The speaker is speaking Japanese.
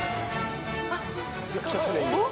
お？